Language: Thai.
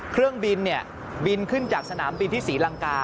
เครื่องบินบินขึ้นจากสนามบินที่ศรีลังกา